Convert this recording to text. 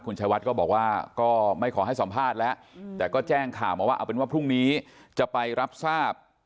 คุณชายวัดก็บอกว่าก็ไม่ขอให้สัมภาษณ์แล้วแต่ก็แจ้งข่าวมาว่าเอาเป็นว่าพรุ่งนี้จะไปรับทราบ